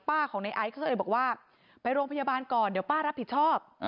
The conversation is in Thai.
ของในไอซ์ก็เลยบอกว่าไปโรงพยาบาลก่อนเดี๋ยวป้ารับผิดชอบ